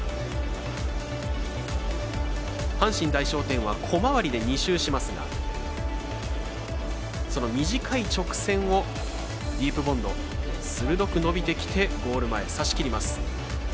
阪神大賞典は小回りで２周しますが短い直線をディープボンド鋭く伸びてきてゴール前、差しきります。